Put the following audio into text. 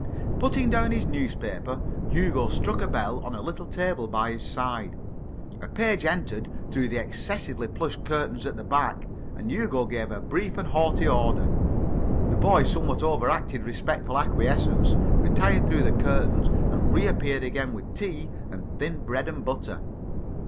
Putting down his newspaper, Hugo struck a bell on a little table by his side. A page entered through the excessively plush curtains at the back, and Hugo gave a brief and haughty order. The boy somewhat overacted respectful acquiescence, retired through the curtains, and reappeared again with tea and thin bread and butter.